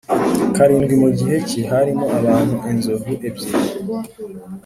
Karindwi mu gihe cye harimo abantu inzovu ebyiri